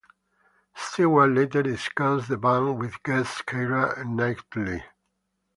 Stewart later discussed the ban with guest Keira Knightley.